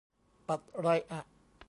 บัตรไรอะ